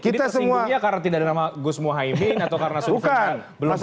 jadi tersinggungnya karena tidak ada nama gus muhaimin atau karena survei yang belum berhenti